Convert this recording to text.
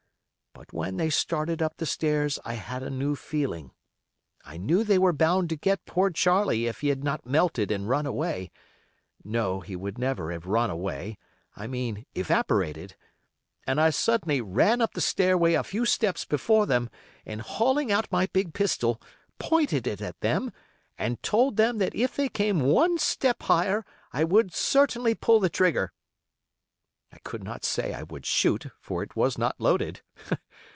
But when they started up the stairs I had a new feeling. I knew they were bound to get poor Charlie if he had not melted and run away,—no, he would never have run away; I mean evaporated,—and I suddenly ran up the stairway a few steps before them, and, hauling out my big pistol, pointed it at them, and told them that if they came one step higher I would certainly pull the trigger. I could not say I would shoot, for it was not loaded.